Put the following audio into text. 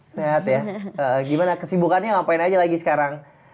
sehat ya gimana kesibukannya ngapain aja lagi sekarang